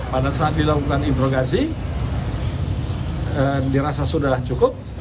pada saat dilakukan interogasi dirasa sudah cukup